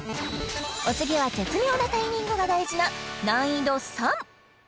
お次は絶妙なタイミングが大事な難易度